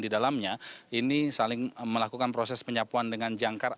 di dalamnya ini saling melakukan proses penyapuan dengan jangkar